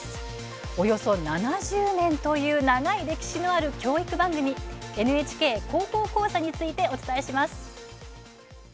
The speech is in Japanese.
およそ７０年という長い歴史を持つ教育番組「ＮＨＫ高校講座」についてお伝えします。